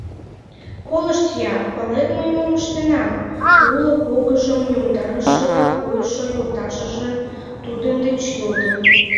— Колышт-я, палет мый мом ыштенам? — уло погыжым йомдарышыла койшо йолташыже тудын деч йодын.